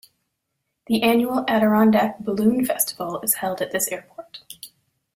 The annual Adirondack Balloon Festival is held at this airport.